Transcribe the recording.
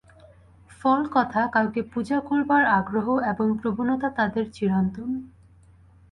ফল-কথা, কাউকে পূজা করবার আগ্রহ এবং প্রবণতা তাদের চিরন্তন।